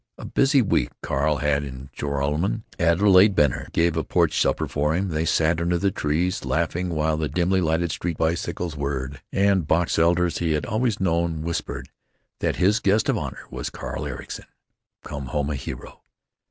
A busy week Carl had in Joralemon. Adelaide Benner gave a porch supper for him. They sat under the trees, laughing, while in the dimly lighted street bicycles whirred, and box elders he had always known whispered that this guest of honor was Carl Ericson, come home a hero.